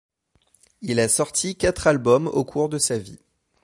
Il a sorti quatre albums au cours de sa vie.